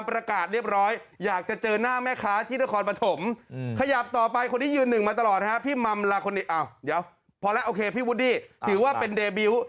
พี่วูดดีถือว่าเป็นเดบิว